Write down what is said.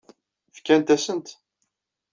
Fkant-asen-t?